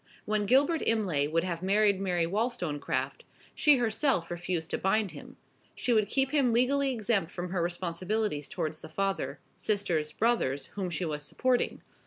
When Gilbert Imlay would have married Mary Wollstonecraft, she herself refused to bind him; she would keep him legally exempt from her responsibilities towards the father, sisters, brothers, whom she was supporting.